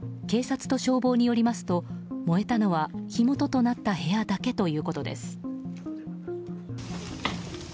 警察と消防によりますと燃えたのは火元となった部屋だけということです。